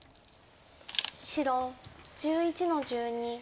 白１１の十二。